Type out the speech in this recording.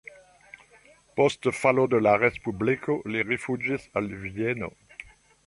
Post falo de la respubliko li rifuĝis al Vieno.